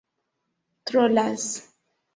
trolas